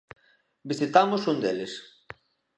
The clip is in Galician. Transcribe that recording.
Visitamos un deles.